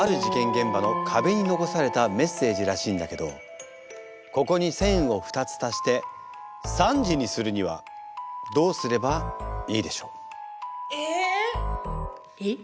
現場の壁に残されたメッセージらしいんだけどここに線を２つ足して３時にするにはどうすればいいでしょう？え！えっ？